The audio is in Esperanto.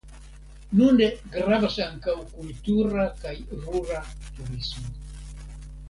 Nune gravas ankaŭ kultura kaj rura turismo.